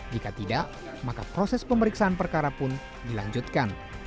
jika tidak maka proses pemeriksaan perkara pun dilanjutkan